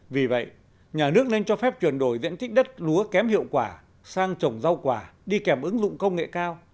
vì vậy nhà nước nên cho phép chuyển đổi diện tích đất lúa kém hiệu quả sang trồng rau quả đi kèm ứng dụng công nghệ cao